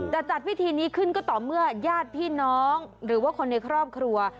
แต่จัดพิธีนี้ขึ้นก็ต่อเมื่อญาติพี่น้องหรือว่าคนในครอบครัว